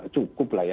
cukup lah ya